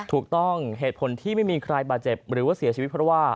ถูกต้องเหตุผลที่ไม่มีใครบาดเจ็บหรือว่าเสียชีวิตเพราะว่า